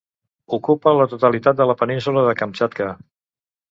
Ocupa la totalitat de la península de Kamtxatka.